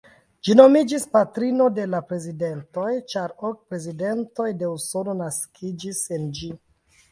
Ĝi nomiĝas "patrino de la prezidentoj", ĉar ok prezidentoj de Usono naskiĝis en ĝi.